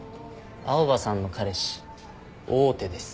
青羽さんの彼氏大手です。